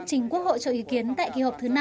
trình quốc hội cho ý kiến tại kỳ họp thứ năm